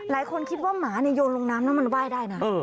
หลายคนคิดว่าหมาโยนลงน้ำแล้วมันไหว้ได้นะ